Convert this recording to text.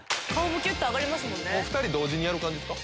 お２人同時にやる感じですか？